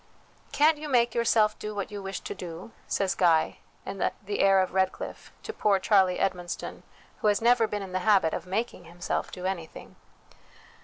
" Can't you make your self do what you wish to do ?" says Guy, in the Heir of Redclyffe, to poor Charlie Edmonston, who has never been in the habit of making himself do anything.